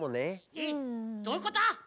えっどういうこと！？